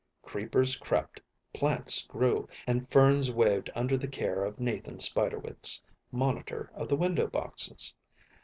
Creepers crept, plants grew, and ferns waved under the care of Nathan Spiderwitz, Monitor of the Window Boxes.